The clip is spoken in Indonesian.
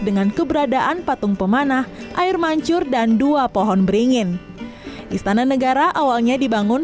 dengan keberadaan patung pemanah air mancur dan dua pohon beringin istana negara awalnya dibangun